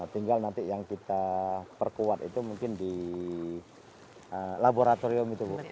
tinggal nanti yang kita perkuat itu mungkin di laboratorium itu bu